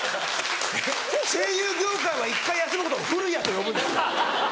声優業界は一回休むことを「古谷」と呼ぶんですか。